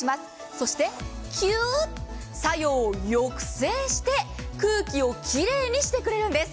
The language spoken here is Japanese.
そしてキュー、作用を抑制して空気をきれいにしてくれるんです。